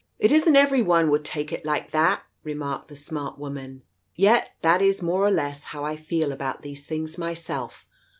"It isn't every one would take it like that !" remarked the smart woman. "Yet that is, more or less, how I feel about these things myself.